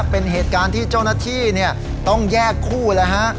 เป็นเหตุการณ์ที่เจ้าหน้าที่ต้องแยกคู่แล้วฮะ